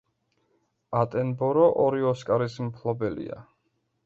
ატენბორო ორი ოსკარის მფლობელია.